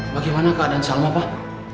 bagaimana keadaan salma pak